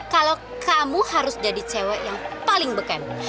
kalau kamu harus jadi cewek yang paling beken